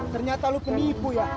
ternyata lo penipu ya